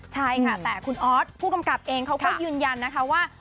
ใช่ค่ะแต่คุณออสผู้กำกับเองเขาก็ยืนยันนะคะว่า